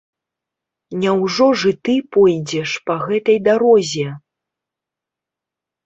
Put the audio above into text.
Няўжо ж і ты пойдзеш па гэтай дарозе?